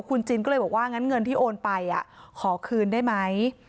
คุณจินก็เลยบอกว่างั้นเงินที่โอนไปขอคืนได้ไหม